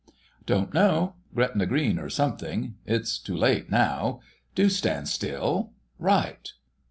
"Don't know—Gretna Green, or something. It's too late now. Do stand still.... Right!